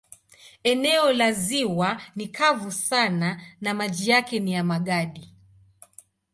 Eneo la ziwa ni kavu sana na maji yake ni ya magadi.